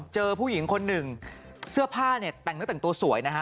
เจอผู้หญิงคนหนึ่งเสื้อผ้าเนี่ยแต่งเนื้อแต่งตัวสวยนะฮะ